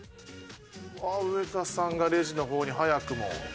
上田さんがレジの方に早くも。